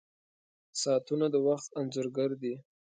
• ساعتونه د وخت انځور ګر دي.